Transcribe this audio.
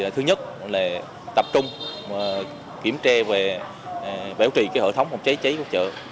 thứ nhất là tập trung kiểm tra về bảo trì hệ thống phòng cháy cháy của chợ